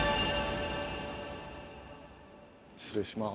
失礼します。